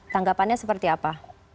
tanggapannya seperti apa